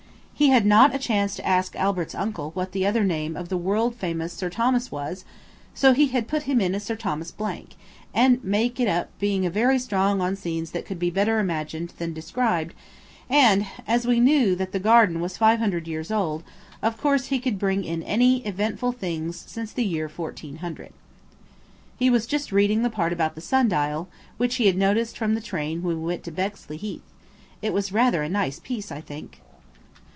He had not had a chance to ask Albert's uncle what the other name of the world famous Sir Thomas was, so had to put him in as Sir Thomas Blank, and make it up being very strong on scenes that could be better imagined than described, and, as we knew that the garden was five hundred years old, of course he could bring in any eventful things since the year 1400. He was just reading the part about the sundial, which he had noticed from the train when we went to Bexley Heath It was rather a nice piece, I think.